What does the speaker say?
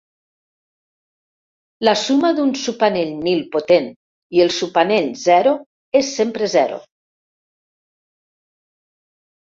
La suma d"un subanell nilpotent i el subanell cero és sempre cero.